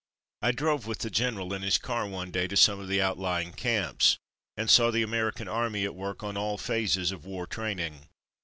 I drove with the general in his car one day to some of the outlying camps, and saw the American Army at work on all phases of war training.